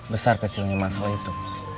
besar kecilnya masalah itu